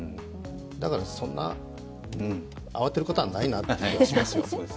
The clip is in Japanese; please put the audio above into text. だから、そんな慌てることはないなって気がしますよ。